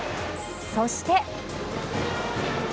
そして。